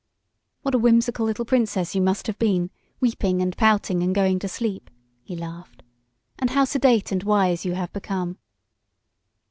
"What a whimsical little princess you must have been, weeping and pouting and going to sleep," he laughed. "And how sedate and wise you have become."